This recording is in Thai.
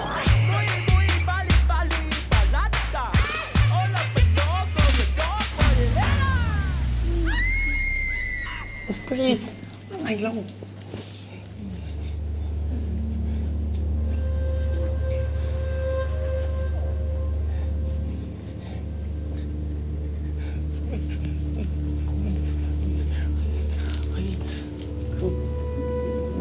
ก็อย่างนี้แหล่ะ